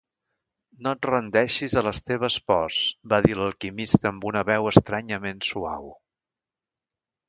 "No et rendeixis a les teves pors", va dir l'alquimista amb una veu estranyament suau.